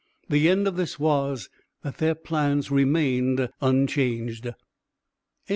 The end of this was, that their plans remained unchanged. XVIII.